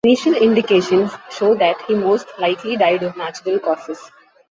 Initial indications show that he most likely died of natural causes.